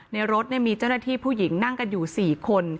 ในรถมีเจ้าหน้าที่ผู้หญิงนั่งกันอยู่๔คน